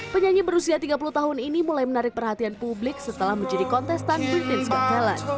penyanyi berusia tiga puluh tahun ini mulai menarik perhatian publik setelah menjadi kontestan di dance of talent